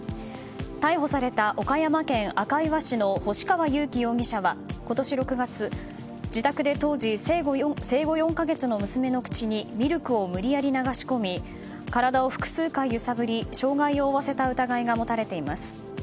逮捕された岡山県赤磐市の星川佑樹容疑者は今年６月、自宅で当時生後４か月の娘の口にミルクを無理やり流し込み体を複数回揺さぶり傷害を負わせた疑いが持たれています。